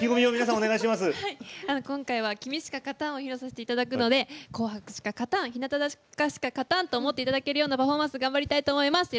今回は「君しか勝たん」を披露させていただくので「紅白」しか勝たん日向坂しか勝たんと思っていただけるようなパフォーマンス頑張りたいと思います。